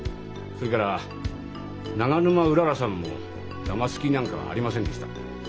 それから長沼うららさんもだます気なんかありませんでした。